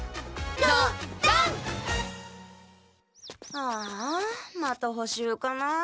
ああまたほしゅうかな。